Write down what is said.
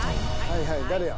「はいはい誰や？」